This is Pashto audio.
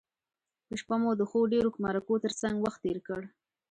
په شپه مو د ښو ډیرو مرکو تر څنګه وخت تیر کړ.